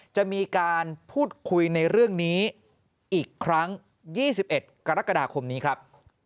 จะมีการพูดคุยในเรื่องนี้อีกครั้ง๒๑กรกฎาคมนี้ครับ